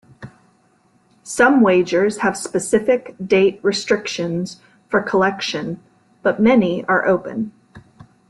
Some wagers have specific date restrictions for collection, but many are open.